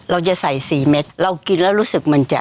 เราจะใส่๔เม็ดเรากินแล้วรู้สึกมันจะ